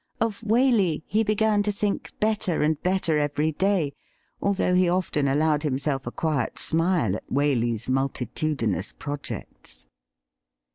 Of Waley he began to think better and better every day, although he often allowed himself a quiet smile at Waley 's multitudinous projects.